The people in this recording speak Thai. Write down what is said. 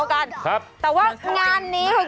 คุณติเล่าเรื่องนี้ให้ฮะ